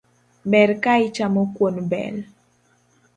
Ber ka ichamo kuon bel